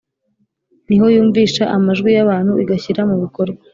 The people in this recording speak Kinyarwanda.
Ni ho yumvisha amatwi y abantu Igashyira mu bikorwa